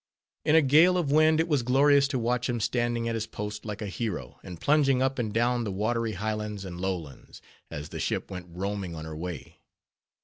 In a gale of wind it was glorious to watch him standing at his post like a hero, and plunging up and down the watery Highlands and Lowlands, as the ship went roaming on her way.